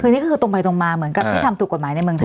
คือนี่ก็คือตรงไปตรงมาเหมือนกับที่ทำถูกกฎหมายในเมืองไทย